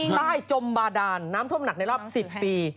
ใต้จมบาดานน้ำท่วมหนักในรอบ๑๐ปี